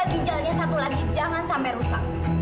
dan ginjalnya satu lagi jangan sampai rusak